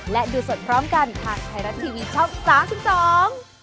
และดูสดพร้อมกันทางไทยรัฐทีวีช่อง๓๒